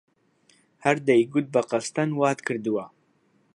هەر دەیگوت بە قەستەن وات کردووە!